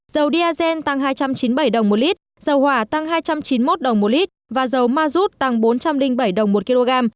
dầu diazen tăng hai trăm chín mươi bảy đồng một lít dầu hỏa tăng hai trăm chín mươi một đồng một lít và dầu ma rút tăng bốn trăm linh bảy đồng một kg